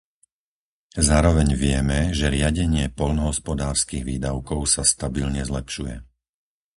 Zároveň vieme, že riadenie poľnohospodárskych výdavkov sa stabilne zlepšuje.